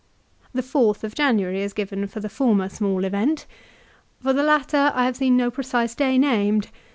The 4th of January is the date given for the former small event. For the latter I have seen no precise day named.